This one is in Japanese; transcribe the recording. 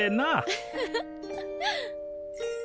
ウフフ。